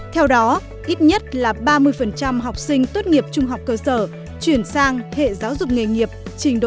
theo đó ít nhất là ba mươi học sinh tốt nghiệp trung học cơ sở chuyển sang hệ giáo dục nghề nghiệp trình độ sơ cấp trung cấp